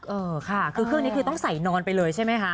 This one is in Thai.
เออค่ะคือเครื่องนี้คือต้องใส่นอนไปเลยใช่ไหมคะ